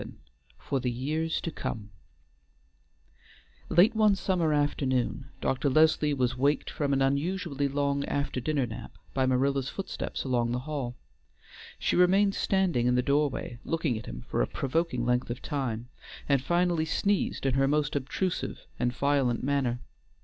VII FOR THE YEARS TO COME Late one summer afternoon Dr. Leslie was waked from an unusually long after dinner nap by Marilla's footsteps along the hall. She remained standing in the doorway, looking at him for a provoking length of time, and finally sneezed in her most obtrusive and violent manner.